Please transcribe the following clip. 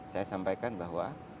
saya sampaikan bahwa